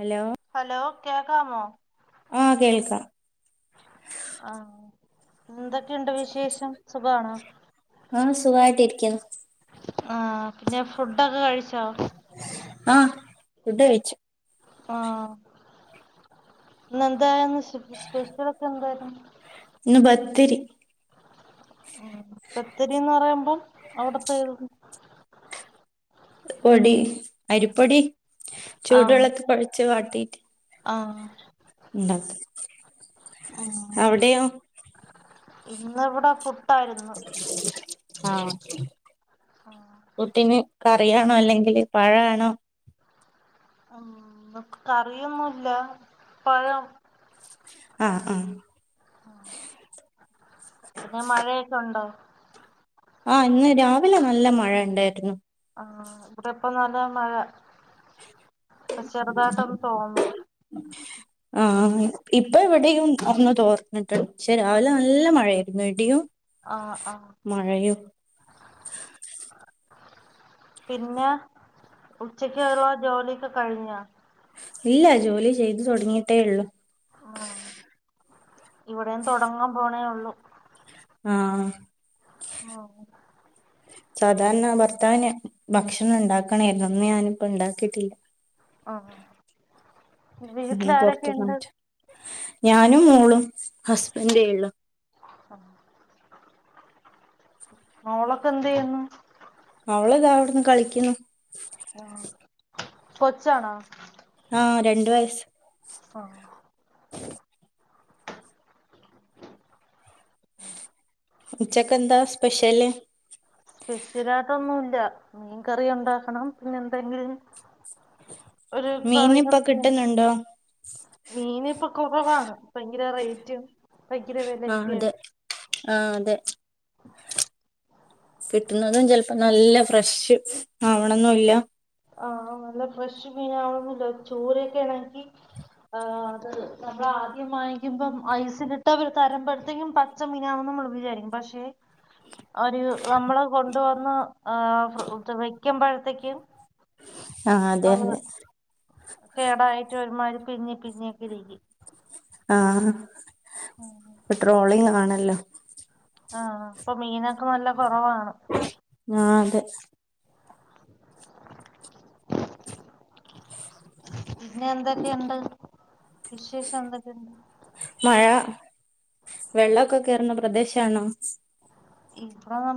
Hello hello കേക്കാമോ ആ കേൾക്കാം ആ എന്തൊക്കെയുണ്ട് വിശേഷം സുഖണോ? ആ സുഖായിട്ടിരിക്കുന്നു. ആ പിന്നെ ഫുഡൊക്കെ കഴിച്ച ആ ഫുഡ് കഴിച്ചു ആ ഇന്നെന്തായിന്ന് സ്പെഷ്യൽ ഒക്കെ എന്തായിരുന്നു ത്തിരി ഉം പത്തരിന്ന് പറയുമ്പോം അവിടത്തെ പൊടി അരിപ്പൊടി ആഹ് ചൂടുവെള്ളത്തി കൊഴച്ച് വാ ട്ടിറ്റ് ആഹ് ഉണ്ടാക്ക അവിടെയോ ഇന്ന് ഇവ്ടെ പു ട്ടായിരുന്നു ആഹ് പുട്ടിന് കറിയാണോ അല്ലെങ്കിൽ പഴാണോ ഉം കറിയൊന്നുംല്ല പഴം ആഹ് ആഹ് പിന്നെ മഴയൊക്കെ ഉണ്ടോ ആ ഇന്ന് രാവിലെ നല്ല മഴ ഇണ്ടേരുന്നു ആ ഇവിടെപ്പ ന ല്ല മഴ ഇപ്പ ചെറുതായിട്ടൊന്ന് തോർന്നു ഇപ്പ ഇവിടെയും ഒന്ന് തോർന്ന് പക്ഷേ ഉം രാവിലെ നല്ല മഴയാ ന്നെടിയോ ആഹ് ആഹ് പിന്നെ ഉച്ചക്ക് ള്ള ജോലിയൊക്കെ കഴിഞ്ഞോ ഇല്ല ജോലി ചെയ്ത് തൊടങ്ങിയിട്ടേ ഉള്ളു ആ ഇവിടെം തുടങ്ങാൻ പോണേ ഉള്ളൂ ആഹ് ആ സാധാരണ ഭർത്താവിന് ഭക്ഷണം ഉണ്ടാക്കണേര്ന്നു ഇന്ന് ഞാനിപ്പം ഉണ്ടാക്കിട്ടില്ല ആ ഇന്ന് പുറത്തുന്ന് വീട്ടിലാരൊക്കെയുണ്ട് വാങ്ങിച്ച ഞാനും മോളും ഹസ്ബൻഡേ ള്ളു മോളൊക്കെ എന്ത് ചെയ്യുന്നു അവളതാ അവിടുന്ന് കളിക്കുന്നു കൊച്ചാണൊ ആഹ് രണ്ട് വയസ് ആഹ് ഉച്ചക്ക് എന്താ സ്പെഷ്യല് സ്പെഷ്യലായിട്ടൊന്നുമല്ല മീൻ കറി ഉണ്ടാക്കണം പിന്നെ എന്തെങ്കിലും ഒരു കറി മീനിപ്പൊ കറി കിട്ടുന്നുണ്ടോ മീൻ ഇപ്പൊ കുറവാണ് ഭയങ്കര റേറ്റും [unintelligible] കിര വേദനിക്കെന്ന് ആഹ അതെ കിട്ടുന്നതും ചിലപ്പോ നല്ല ഫ്രഷ് ആവണന്നുംല്ല ആ നല്ല ഫ്രഷ് മീനാവന്നില്ല ചോറൊക്കെ ആണെങ്കി അത് നമ്മൾ ആദ്യം വാങ്ങിക്കുമ്പം ഐസിലിട്ട് അവർ തരുമ്പോഴത്തേക്കും പച്ച മീനാവക നമ്മൾ വിചാരിക്കും പക്ഷെ ഒരു നമ്മള് കൊണ്ടുവന്ന് വെക്കുമ്പോഴത്തേക്കും ആഹ് അതെ അ അതെ കേടായിട്ട് ഒരുമാതി പിരിഞ്ഞി പിരിഞ്ഞൊക്കെ ഇകി ആഹ പെട്രോളിംഗ ആണ് നല്ലോ ആഹ അപ്പൊ മീനൊക്കെ നല്ല കൊറ ആഹ അതെ പിന്നെ എന്തൊക്കെയുണ്ട് വിശേഷം എന്തൊക്കെയ വെള്ളമൊക്കെ കേയറ പ്രദേശം ആണോ ഇപ്പ ന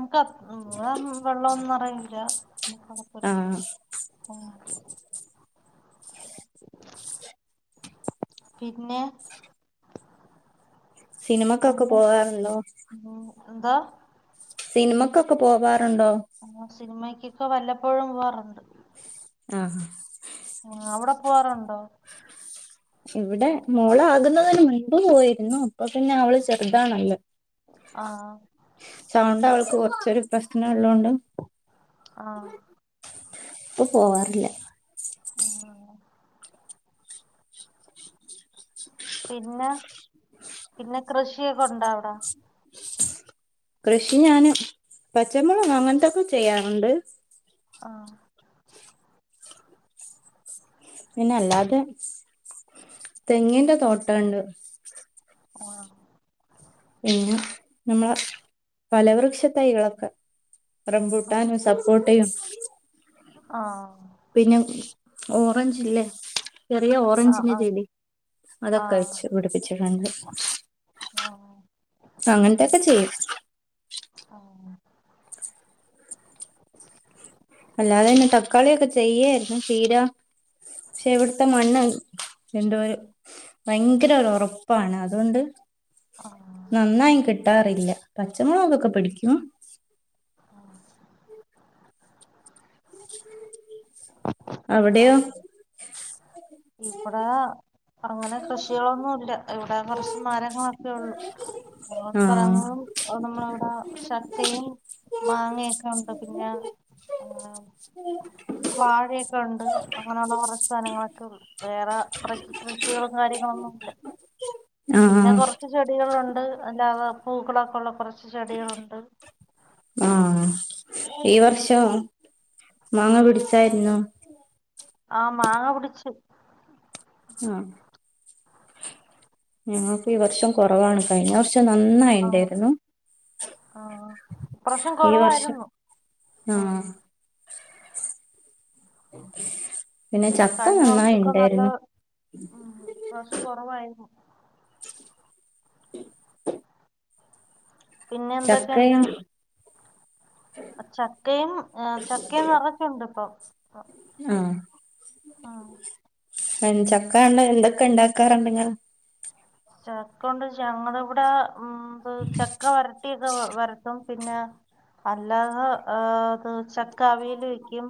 എ വെള്ളം ഒന്നും അറയി ഇ ആഹ പിന്നെ സിനിമക്കൊക്കെ പിന്നെ പോവാറല്ലോ ഉം എന്താ സിനിമക്കൊക്കെ പോവാ ുണ്ടോ സിനിമക്കൊക്കെ വല്ലപ്പോഴും പോവാറുണ്ട് ആഹ ആ അവിടെ പോവാറുണ്ടോ ഇവിടെ മോളാകുന്നതിന് മുൻപ് പോയിരുന്നു അപ്പൊ പിന്നെ അവള് ചെറുതാണല്ലോ ആഹ് ചൗണ്ട അവ കോർച് പ്രശനമാ ള്ളണ്ട് ആഹ് അപ്പൊ പോവാറില്ല ആ പിന്നെ പിന്നെ കൃഷിയൊക്കെ ഉണ്ടാവട കൃഷി ഞാനും പച്ചമുളക് അങ്ങനത്തൊക്കെ ചെയ്യറുണ്ട് ആഹ പിന്നെ അല്ലാതെ തെങ്ങിന്റെ തോട്ടണ്ട് കോ പിന്നെ നമ്മളെ പലവൃക്ഷ തൈകളൊക്കെ റംബുട്ടാന് സപ്പോട്ട തയ്യും ആഹ് പിന്നെ ഓറഞ്ച് ഇല്ലേ ചെറിയ ഓറഞ്ചിന്റെ ആഹ് ചെടി അതൊക്കെ ആഹ് വച്ച് പിടിപ്പിച്ചിട്ടുണ്ട് ആ അങ്ങൻത്തെക്കെച്ച ആഹ് അല്ലാതെ പിന്നെ തക്കാളിയൊക്കെ ചെയ്യായിരുന്നു ചീര പക്ഷെവിടുത്തെ മണ്ണ് എന്റെ ഒരു ഭയങ്കര ഒരു ഒറപ്പാണ് അതുകൊണ്ട് ആഹ് നന്നായി ക കിട്ടാറില്ല പച്ചമുളകൊക്കെ പിടിക്കും [unintelligible] [unintelligible] ആഹ് ഇബടാ അങ്ങനെ കൃഷികളൊന്നുല്ല ഇവിടെ കൊറച്ച് മരങ്ങളൊക്കെ ള്ളൂ അ പറയ്പ ആഹ് നമ്മളിവിടെ ചക്കയും മാങ്ങയൊക്കെ ഉണ്ട് പിന്നെ വാഴ അങ്ങനെയുള്ള കൊച്ച് സാനങ്ങളൊക്കെ വേറെ കൃഷി ക കാര്യങ്ങളൊന്നുല്ല പിന്നെ ആഹ് കൊറച്ച് ചെടികളുണ്ട് അല്ലാതെ പൂക്കളാക്കെള്ള കൊറ ചെടികളുണ്ട് ആഹ് ഈ വർഷം മാങ്ങ പിടിച്ചായിരുന്നു ആ മാങ്ങ പിടിച്ചു ആന് ഞങ്ങക്ക് ഈ വർഷം കുറവാണ് കഴിഞ്ഞ വർഷം ആ നന്നായിണ്ടായിരുന്നു ആ ഇപ്രാവശ്യം ഈ വർഷം കുറവായിരുന്നു ആ ആഹ് [unintelligible] ചക്ക കഴിഞ്ഞ നന്നായി വർഷൊക്കെ നല്ല ഉണ്ടായിരുന്നു ഉം ഇപ്രാവശ്യം കൊറവായിരുന്നു പിന്നെ എന്തൊക്കെ ണ്ട് ചക്കയും ചക്കയും ചക്കയും നിറച്ചുണ്ട് ഇപ്പൊ ആഹ് ആഹ് ആഹ് മെ ചക്കണ്ട് എന്തൊക്കെ ഉണ്ടാക്കാറുണ്ട് ങ്ങള് ചക്കണ്ട് ഞങ്ങള് വിടെ ഉത് ചെക്ക വരട്ടി വരത്തും പിന്നെ അല്ലാതെ ഏത് ചക്കവിൽ വക്കും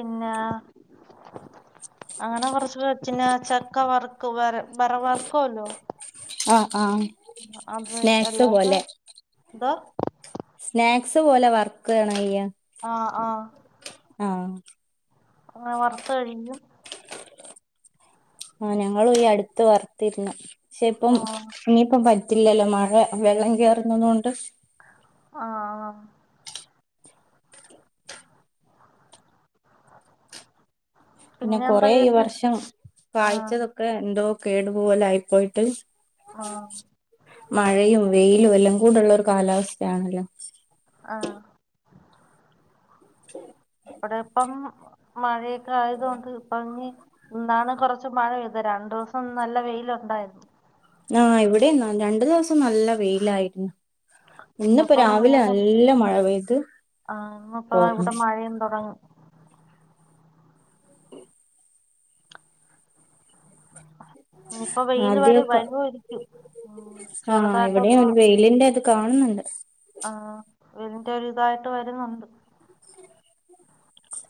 പിന്നെ അങ്ങനെ കൊറച്ചവച്ചന്ന ചക്ക വറക്ക് ഉപരം ബർവാ ഹലോ ആ ആ സ്നാക്സ് അല്ലാതെ പോലെ എന്തോ സ്നാക്സ് പോലെ വർക്ക് ആണോ യ്യാ ആ ആ അങ്ങനെ വർത്ത് കഴിക്കും ആ ഞങ്ങളും ഈ അട്ത്ത് വർത്തിര്ന്നു ക്ഷെ ഇപ്പം ആഹ് ഇനിപ്പം പറ്റ റ്റില്ലല്ലോ മഴ വെള്ളം കേറ്ന്നതോണ്ട് ആ പിന്നെ കൊറേ ഈ വർഷം ആഹ് കായ്ച്ചതൊക്കെ എന്തോ കേടു പോലെ ആയി പോയിട്ട് ആഹ് മഴയും വെയിലും എല്ലം കൂടെ ഉള്ള ഒരു കാലാവസ്ഥയാണല്ലോ ആ ഇവടെ ഇപ്പം മഴയൊക്കെ ആയത് കൊണ്ട് ഭംഗി ഇന്നാണ് കൊറച്ച് മഴ പെയ്തെ രണ്ടുസം നല്ല വെയിലുണ്ടായിരുന്നു ആ ഇവിടം ന്നാ രണ്ടു ദിവ്സം നല്ല വെയിലായിരുന്നു ഇന്നിപ്പോ ഇന്ന്പ്പം രാവിലെ വീണ്ടും നല്ല മഴ പെയ്ത് ആ ഇന്ന്പ്പം തോർന്നു ഇവ്ടെ മഴയും തൊടങ്ങും ഇഞ് ഇപ്പം വെയില് വരും ആദ്യൊക്കെ വരുവായിരിക്കും ഉം ചെറ്തായിട്ടൊന്ന് കാണ്ന്ന്ണ്ട് ആ വെയിലിന്റെ ഒര് ഇതായിട്ട് വെരുന്നുണ്ട്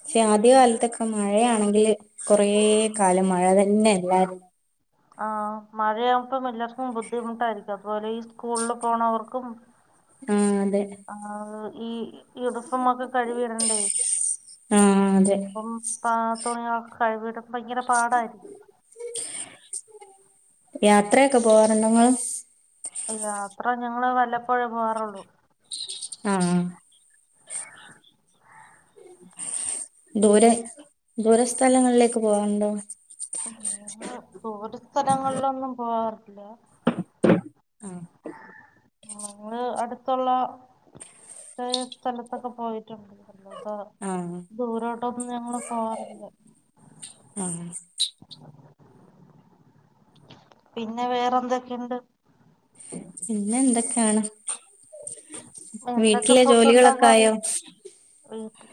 ക്ഷെ ആദ്യ കാൽത്തൊക്കെ മഴയാണെങ്കില് കൊറെ കാലം മഴ തന്നെ എല്ലാരും ആ മഴയാവുമ്പം എല്ലാർക്കും ബുദ്ധിമുട്ടായിരിക്കും അതുപോലെ ഈ സ്കൂളിൽ പോണവർക്കും ആ അതെ ആ, ഈ ഈ ഉടുപ്പും ഒക്കെ കഴുകിയിടണ്ടെ ആഹ് അതെ അപ്പം പാ തുണി കളൊക്കെ കഴുകി ഇടുമ്പോ ഭയങ്കര പാടായിരിക്കും യാത്രയൊക്കെ പോവാറുണ്ടോ ഇങ്ങൾ യാത്ര ഞങ്ങൾ വല്ലപ്പോഴേ പോവാറൊള്ളു ആ ദൂരെ ദൂര സ്ഥലങ്ങളിലേക്ക് പോവാർണ്ടോ [unintelligible] ദൂര സ്ഥലങ്ങളിലൊന്നും പോവാറി ഇല്ലാ ആ ഞങ്ങൾ അടുത്തുള്ള ഇത്രേം സ്ഥലത്തൊക്കെ പോയിട്ടുണ്ട് പ്പൊ ആഹ് ദൂരോട്ടൊന്നും ഞങ്ങൾ പോവാറില്ല ആഹ് പിന്നെ വേറെ എന്തൊക്കെ ഇണ്ട് പിന്നെന്തൊക്കെയാണ്? എന്തൊക്കെ ഫുഡ് ജോലികളൊക്കെ ഉണ്ടാക്കാറ് ആയോ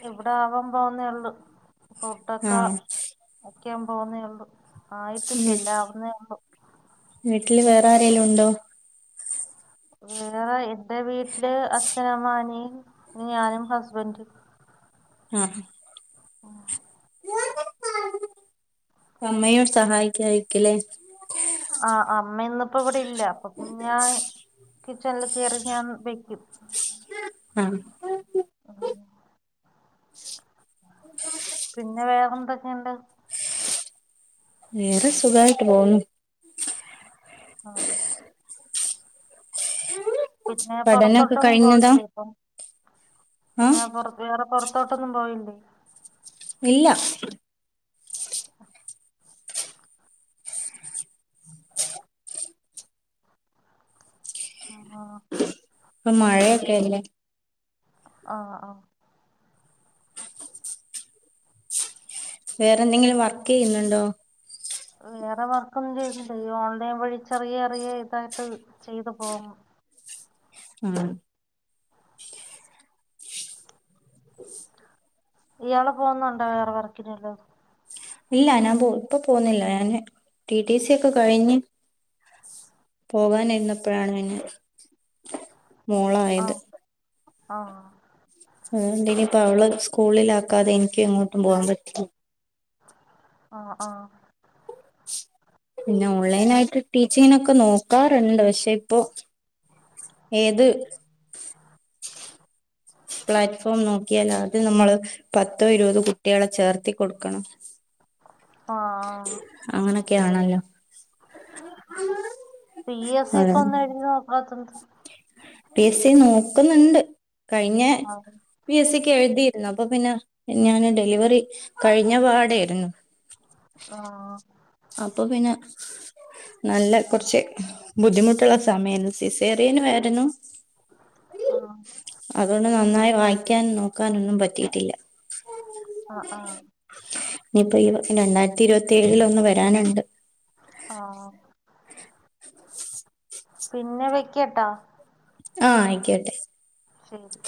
ഇവിടെ ആവാൻ പോവുന്നേ ഉള്ളു പുട്ടൊക്ക ആഹ് വിക്കാൻ പോകുന്നേ ഒള്ളൂ വീ ആയിട്ടില്ലല്ലാ ആവുന്നേ ഉള്ളു രേലും ഉണ്ടോ? വേറെ എറെ വീട്ടില് അച്ഛനമ്മാനീം ഞാനും ഹസ്ബൻഡും ആഹ് അമ്മയോ സഹായിക്കായിരിക്കുല്ലേ ആഹ് അമ്മ ഇന്നിപ്പോ വൃ ടില്ല അപ്പൊപ്പ ഞാൻ കിച്ചണില് കേറി ഞാൻ വെയ്ക്കും ആഹ് ഉ പിന്നെ വേറെന്തൊക്കേണ്ട് വേറെ സുഖായിട്ട് പോവുന്നു ആഹ് പിന്നെ പഠനൊക്കെ പൊറത്തോട്ടൊന്നും കഴിഞ്ഞതാ പോവില്ലേ ഇപ്പം ആഹ് പിന്നെ പൊറ വേറെ പൊറത്തോട്ടൊന്നും പോയില്ലേ? ഇല്ല ആ പ്പം മഴയൊക്കെയല്ലേ ആഹ് ആഹ് വേറെന്തെങ്കിലും വർക്ക്‌ ചെയ്യുന്നുണ്ടോ? വേറെ വർക്കൊന്നും ചെയ്യുന്നില്ല, ഈ ഓൺലൈൻ വഴി ചെറിയ ചെറിയ ഇതായിട്ട് ചെയ്ത് പോകുന്നു. മ് ഇയാള് പോകുന്നുണ്ടോ വേറെ വർക്കിന് വല്ലതും ഇല്ല ഞാൻ പോ ഇപ്പൊ പോകുന്നില്ല ഞാന് ടി ടി സി ഒക്കെ കഴിഞ്ഞ് പോകാനിരുന്നപ്പഴാണ് പിന്നെ മോളായത് ആ അതുകൊണ്ട് ഇനിപ്പോ അവളെ സ്കൂളിലാക്കാതെ എനിക്കും എങ്ങോട്ടും പോവാൻ പറ്റില്ല. ആ ആ പിന്നെ ഓൺലൈൻ ആയിട്ട് ടീച്ചിങ്ങിനൊക്കെ നോക്കാറുണ്ട് പക്ഷെ ഇപ്പൊ ഏത് പ്ലാറ്റ്ഫോം നോക്കിയാലാദ്യം നമ്മള് പത്തോ ഇരുപതോ കുട്ട്യോളെ ചേർത്തി കൊടുക്കണം. ആഹ് അങ്ങനൊക്കെയാണല്ലോ പി അതാണ് എസ്സിക്കൊന്നെഴുതി നോക്കാത്തെന്ത്‌ പി എസ് സി നോക്കുന്നുണ്ട്. കഴിഞ്ഞ ആഹ് പി എസ് സി എഴുതീരുന്നു അപ്പ പിന്നെ ഞാന് ഡെലിവറി കഴിഞ്ഞ പാടേയാരുന്നു ആഹ് അപ്പ പിന്നെ നല്ല കൊറച്ച് ബുദ്ധിമുട്ടുള്ള സമയാരുന്നു സിസേറിയനും ആയിരുന്നു ആ ന്നായി വായിക്കാനും നോക്കാനൊന്നും പറ്റീട്ടില്ല ആഹ് ആഹ് ഇനിപ്പ ഈ രണ്ടായിരത്തി ഇരുപത്തി ഏഴിലൊന്ന് വരാന്ണ്ട് ആ പിന്നെ വെക്കട്ടാ ആഹ് ആയിക്ക്യോട്ടെ ശെരി